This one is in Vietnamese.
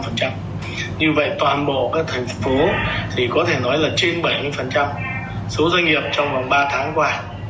như vậy toàn bộ các thành phố thì có thể nói là trên bảy mươi số doanh nghiệp trong vòng ba tháng qua